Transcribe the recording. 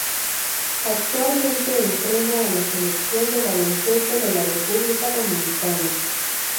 Actualmente entrena a la Selección de baloncesto de la República Dominicana.